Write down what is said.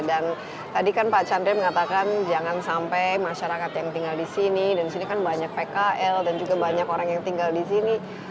dan tadi kan pak chandra mengatakan jangan sampai masyarakat yang tinggal di sini dan di sini kan banyak pkl dan juga banyak orang yang tinggal di sini